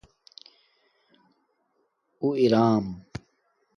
اُو اِرم